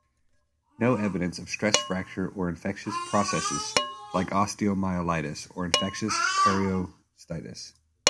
No evidence of stress fracture or infectious processes like osteomyelitis or infectious periostitis.